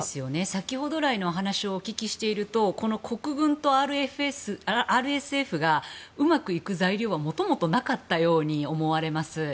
先ほど来のお話をお聞きしていると国軍とＲＳＦがうまくいく材料はもともとなかったように思われます。